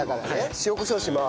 塩コショウします。